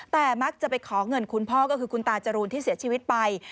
แต่มักจะไปขอเงินคุณพ่อก็คือคุณตาจรูนที่เสียชีวิตไป